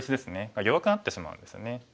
が弱くなってしまうんですよね。